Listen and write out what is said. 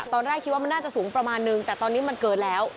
ตอนแรกคิดว่ามันน่าจะสูงประมาณนึงแต่ตอนนี้มันเกินแล้ว